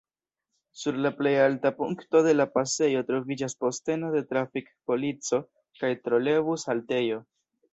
Sur la plej alta punkto de la pasejo troviĝas posteno de trafik-polico kaj trolebus-haltejo.